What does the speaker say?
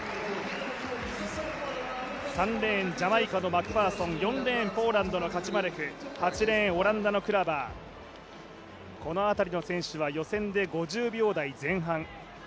３レーンジャマイカのマクファーソン４レーン、ポーランドのカチュマレク８レーン、オランダのクラバーこの辺りの選手は予選で５０秒台前半。